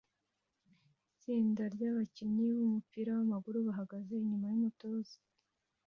Itsinda ryabakinnyi bumupira wamaguru bahagaze inyuma yumutoza